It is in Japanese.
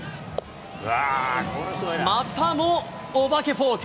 またもお化けフォーク。